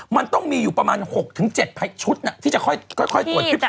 มันต้องมีอยู่ประมาณ๖๗ชุดที่จะค่อยตรวจคลิป